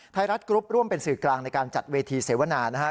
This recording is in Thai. ไทยรัฐกรุ๊ปร่วมเป็นสื่อกลางในการจัดเวทีเสวนานะฮะ